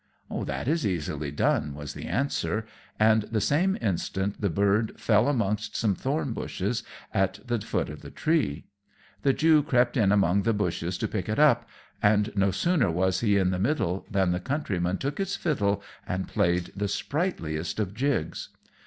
"That is easily done," was the answer; and the same instant the bird fell amongst some thorn bushes at the foot of the tree. The Jew crept in among the bushes to pick it up; and no sooner was he in the middle than the Countryman took his fiddle and played the sprightliest of jigs.